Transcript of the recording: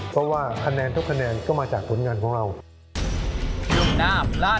เพราะว่าคะแนนทุกคะแนนก็มาจากผลงานของเรา